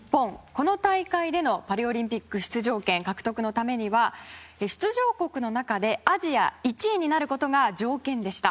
この大会でのパリオリンピック出場権獲得のためには出場国の中でアジア１位になることが条件でした。